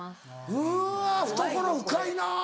うわ懐深いなぁ。